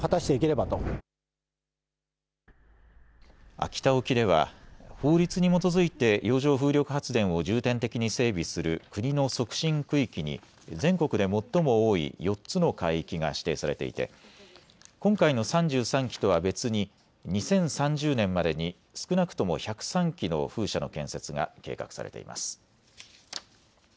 秋田沖では法律に基づいて洋上風力発電を重点的に整備する国の促進区域に全国で最も多い４つの海域が指定されていて今回の３３基とは別に２０３０年までに少なくとも１０３基の風車の建設が計画されています。